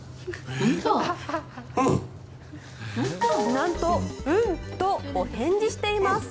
なんとうんと、お返事しています。